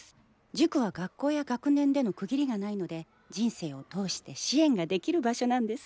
塾は学校や学年での区切りがないので人生を通して支援ができる場所なんです。